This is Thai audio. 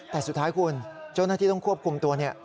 แต่สุดท้ายคุณเจ้าหน้าที่ต้องควบคุมตัวเนี่ย